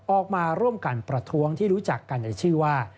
ออกมาร่วมกันประท้วงที่รู้จักกันในชื่อว่า